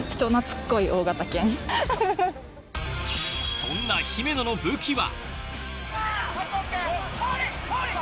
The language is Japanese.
そんな姫野の武器は。